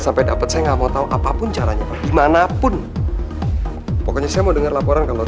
sampai dapat saya nggak mau tahu apapun caranya dimanapun pokoknya saya mau dengar laporan kalau